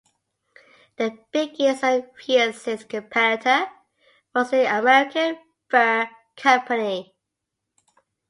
Their biggest and fiercest competitor was the American Fur Company.